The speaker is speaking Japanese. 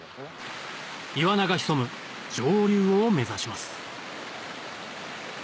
イワナが潜む上流を目指します